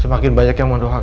semakin banyak yang mendoakan